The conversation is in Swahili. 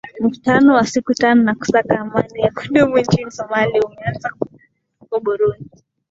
mkutano wa siku tano wa kusaka amani ya kudumu nchini somalia umeanza huko burundi